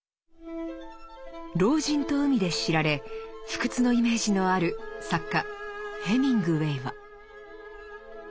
「老人と海」で知られ不屈のイメージのある作家ヘミングウェイは。